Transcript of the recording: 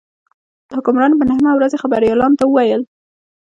د حکمرانۍ په نهمه ورځ یې خبریالانو ته وویل.